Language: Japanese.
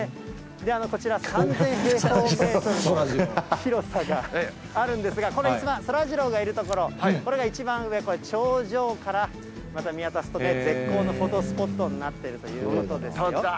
こちら、３０００平方メートルの広さがあるんですが、これ、一番、そらジローがいる所、これが一番上、頂上からまた見渡すとね、絶好のフォトスポットになっているということですよ。